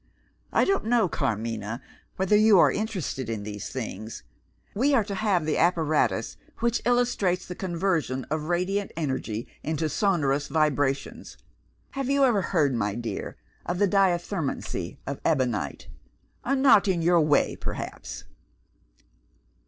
I don't know, Carmina, whether you are interested in these things. We are to have the apparatus, which illustrates the conversion of radiant energy into sonorous vibrations. Have you ever heard, my dear, of the Diathermancy of Ebonite? Not in your way, perhaps?"